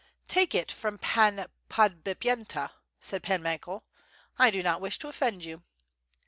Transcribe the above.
^' "Take it from Pan Podbipyenta," said Pan Michael. "I do not wish to offend you."